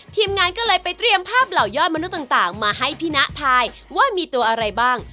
ทีมงานก็เลยไปเตรียมภาพเหล่ายอดมนุษย์ต่างมาให้พี่นะทายว่ามีตัวอะไรบ้าง